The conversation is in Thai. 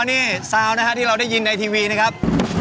คุมมือกองอ๋อนี่ซาวน่ะฮะที่เราได้ยินในทีวีนะครับ